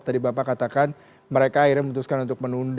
tadi bapak katakan mereka akhirnya memutuskan untuk menunda